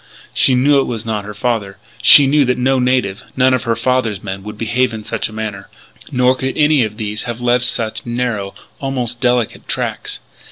She knew it was not her father. She knew that no native none of her father's men would behave in such a manner. Nor could any of these have left such narrow, almost delicate tracks.